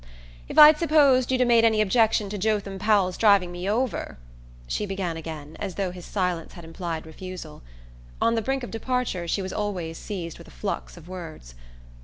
"If I'd supposed you'd 'a' made any objection to Jotham Powell's driving me over " she began again, as though his silence had implied refusal. On the brink of departure she was always seized with a flux of words.